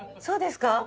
そうですか。